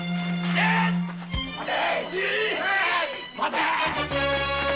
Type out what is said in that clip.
待て！